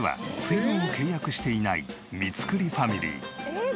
えっ？